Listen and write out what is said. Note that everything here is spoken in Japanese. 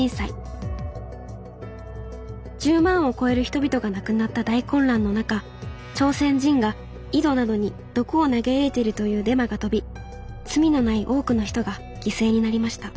１０万を超える人々が亡くなった大混乱の中朝鮮人が井戸などに毒を投げ入れているというデマが飛び罪のない多くの人が犠牲になりました